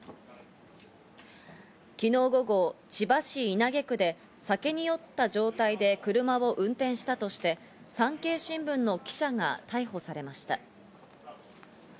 昨日午後、千葉市稲毛区で酒に酔った状態で車を運転したとして、産経新聞の記者が逮捕されました。